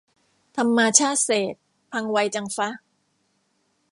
ทำมาชาติเศษ พังไวจังฟะ